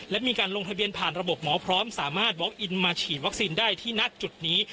และมีการลงทะเบียนผ่านระบบหมอพร้อมสามารถบล็อกอินมาฉีดวัคซีนได้ที่ณจุดนี้